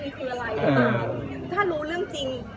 โอ้ยทุกคนคะพี่สงกันเมื่อกี้ค่ะ